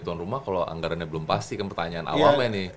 tuan rumah kalau anggarannya belum pasti